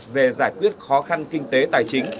về giải quyết khó khăn kinh tế tài chính